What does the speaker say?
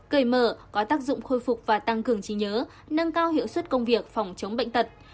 cởi mở có tác dụng khôi phục và tăng cường trí nhớ nâng cao hiệu suất công việc phòng chống bệnh tật